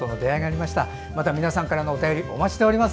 また皆さんからのお便りお待ちしております。